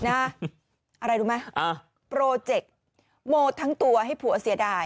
อะไรรู้ไหมโปรเจคโมทั้งตัวให้ผัวเสียดาย